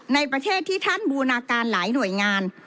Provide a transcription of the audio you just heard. ในประเทศที่ท่านบูรณาการหลายหน่วยงาน